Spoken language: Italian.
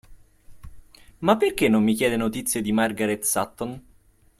Ma perché non mi chiede notizie di Margaret Sutton?